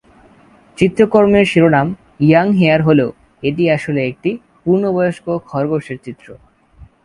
চিত্রকর্মের শিরোনাম "young hair" হলেও এটি আসলে একটি পূর্ণবয়স্ক খরগোশের চিত্র।